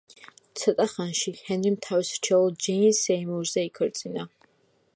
ცოტა ხანში, ჰენრიმ თავის რჩეულ ჯეინ სეიმურზე იქორწინა.